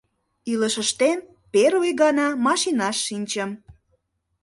Илышыштем первый гана машинаш шинчым.